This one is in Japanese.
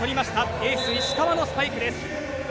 エース、石川のスパイクです。